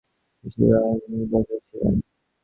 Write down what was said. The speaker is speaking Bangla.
তিনি চীনের বিশিষ্ট রাজনীতিবিদ হিসেবে স্বঅবস্থানে বজায় ছিলেন।